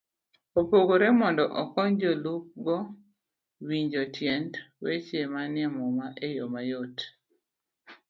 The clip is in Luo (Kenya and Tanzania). opogore mondo okony jolupgo winjo tiend weche manie Muma e yo mayot.